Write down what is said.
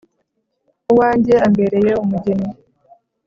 uwanjye umbereye umugeni!